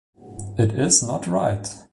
It is not right!